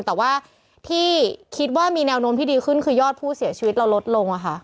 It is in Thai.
แต่ว่าที่คิดว่ามีแนวโน้มที่ดีขึ้นคือยอดผู้เสียชีวิตเราลดลง